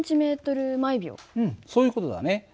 うんそういう事だね。